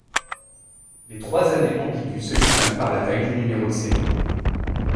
Les trois années ambiguës se distinguent par la taille du numéro de série.